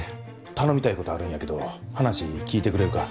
頼みたいことあるんやけど話聞いてくれるか？